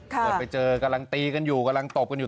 เปิดไปเจอกำลังตีกันอยู่กำลังตบกันอยู่